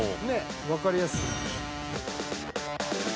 わかりやすい。